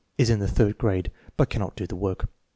Is in the third grade, but cannot do the work.